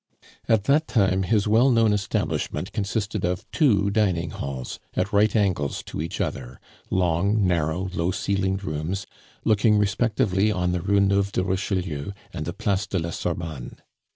At that time his well known establishment consisted of two dining halls, at right angles to each other; long, narrow, low ceiled rooms, looking respectively on the Rue Neuve de Richelieu and the Place de la Sorbonne.